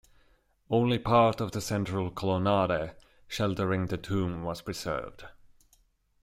Only part of the central colonnade, sheltering the Tomb, was preserved.